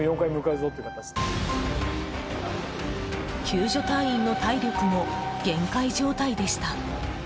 救助隊員の体力も限界状態でした。